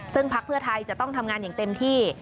ซึ่งพักเพื่อไทยจะต้องทำงานอย่างเต็มที่